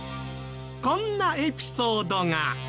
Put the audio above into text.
こんなエピソードが。